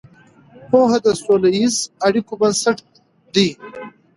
پوهه د سوله ییزو اړیکو بنسټ دی.